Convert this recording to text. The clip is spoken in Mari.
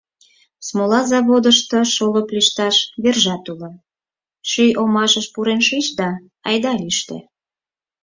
Смола заводышто шолып лӱшташ вержат уло, шӱй омашыш пурен шич да айда лӱштӧ.